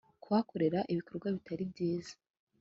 kuhakorera ibikorwa bitari byiza